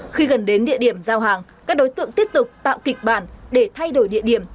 khi gần đến địa điểm giao hàng các đối tượng tiếp tục tạo kịch bản để thay đổi địa điểm